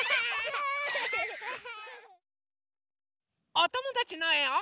おともだちのえを。